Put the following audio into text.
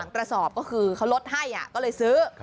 กระสอบก็คือเขาลดให้ก็เลยซื้อ